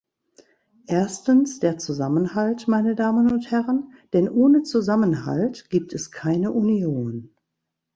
Erstens der Zusammenhalt, meine Damen und Herren, denn ohne Zusammenhalt gibt es keine Union.